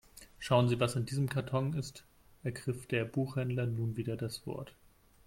Schauen Sie, was in diesem Karton ist, ergriff der Buchhändler nun wieder das Wort.